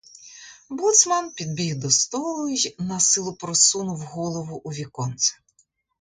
Боцман підбіг до столу й насилу просунув голову у віконце.